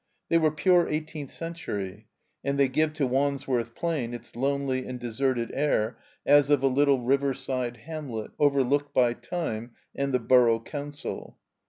They were pure eighteenth centtuy, and they give to Wands worth Plain its lonely and deserted air as of a little riverside hamlet overlooked by time and the Borough Coimdl.